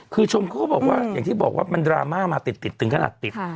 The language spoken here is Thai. คือชมเขาก็บอกว่าอย่างที่บอกว่ามันดราม่ามาติดถึงขนาดติด